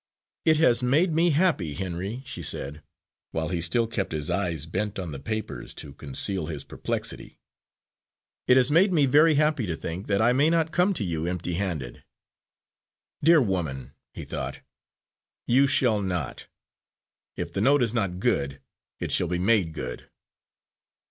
"It has made me happy, Henry," she said, while he still kept his eyes bent on the papers to conceal his perplexity, "it has made me very happy to think that I may not come to you empty handed." "Dear woman," he thought, "you shall not. If the note is not good, it shall be made good."